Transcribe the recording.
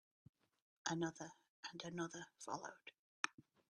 Another and another followed.